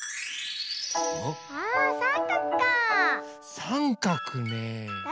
あさんかくか。